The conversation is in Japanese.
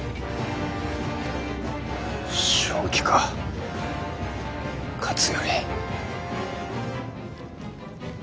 正気か勝頼。